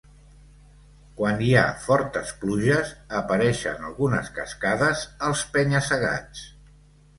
Quan hi ha fortes pluges, apareixen algunes cascades als penya-segats.